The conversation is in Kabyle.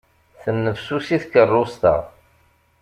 Tennefsusi tkerrust-a.